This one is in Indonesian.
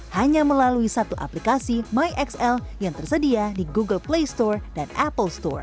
hanya melalui satu aplikasi myxl yang tersedia di google play store dan apple store